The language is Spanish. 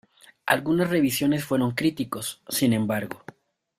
Algunas revisiones fueron críticos, sin embargo.